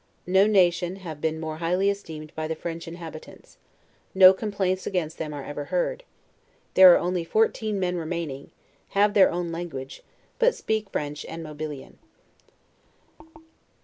No nation have been more highly esteemed by the French inhabitants; no complaints against them are ever heard; there are only fourteen men remaining; have their own language, but speak French and Mobil ian.